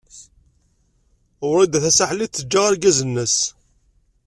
Wrida Tasaḥlit teǧǧa argaz-nnes.